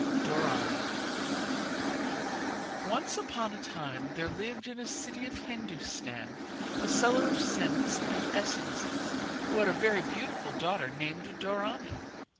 DORANI Once upon a time there lived in a city of Hindustan a seller of scents and essences, who had a very beautiful daughter named Dorani.